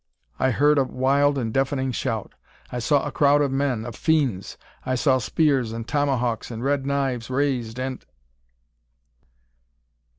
I heard a wild and deafening shout. I saw a crowd of men of fiends. I saw spears, and tomahawks, and red knives raised, and CHAPTER FORTY NINE.